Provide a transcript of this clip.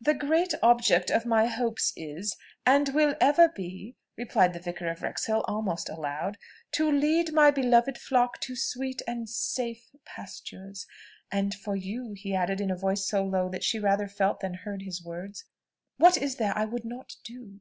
"The great object of my hopes is, and will ever be," replied the Vicar of Wrexhill almost aloud, "to lead my beloved flock to sweet and safe pastures. And for you," he added, in a voice so low, that she rather felt than heard his words, "what is there I would not do?"